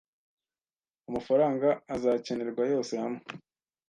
amafaranga azakenerwa yose hamwe